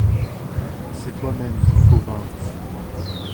C'est toi-même qu'il faut vaincre